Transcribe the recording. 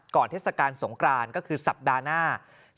ก่อนเทศกาลสงกรานก็คือสัปดาห์หน้า๑๓๑๔๑๕